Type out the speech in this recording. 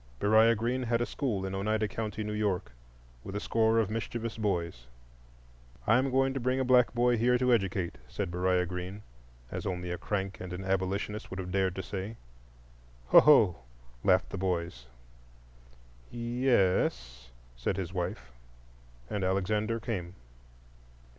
Beriah Green had a school in Oneida County, New York, with a score of mischievous boys. "I'm going to bring a black boy here to educate," said Beriah Green, as only a crank and an abolitionist would have dared to say. "Oho!" laughed the boys. "Ye es," said his wife; and Alexander came.